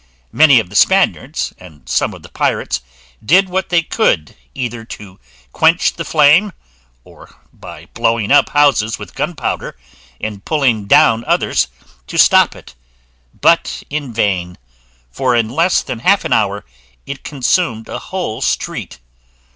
Many of the Spaniards, and some of the pirates, did what they could, either to quench the flame, or, by blowing up houses with gunpowder, and pulling down others, to stop it, but in vain: for in less than half an hour it consumed a whole street.